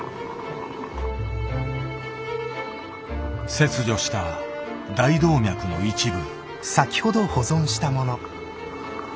切除した大動脈の一部。